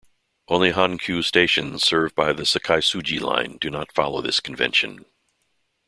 Only Hankyu stations served by the Sakaisuji Line do not follow this convention.